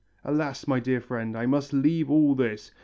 Alas, my dear friend, I must leave all this.